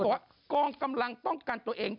บอกว่ากองกำลังป้องกันตัวเอง